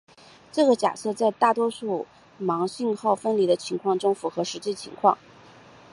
这个假设在大多数盲信号分离的情况中符合实际情况。